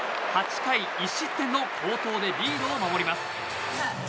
８回１失点の好投でリードを守ります。